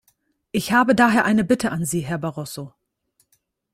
Ich habe daher eine Bitte an Sie, Herr Barroso.